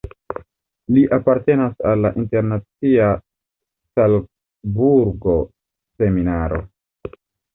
Li apartenas al la internacia Salcburgo-Seminaro.